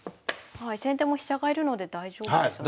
先手も飛車が居るので大丈夫ですよね？